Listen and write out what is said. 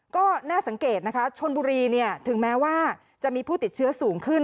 ก็น่าสังเกตนะคะชนบุรีถึงแม้ว่าจะมีผู้ติดเชื้อสูงขึ้น